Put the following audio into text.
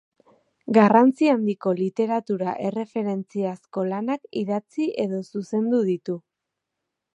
Garrantzi handiko literatura erreferentziazko lanak idatzi edo zuzendu ditu.